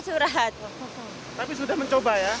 tapi sudah mencoba ya